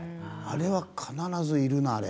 あれは必ずいるな。